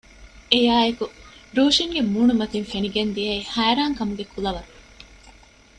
އެއާއެކު ރޫޝިންގެ މޫނުމަތިން ފެނިގެން ދިޔައީ ހައިރާންކަމުގެ ކުލަވަރު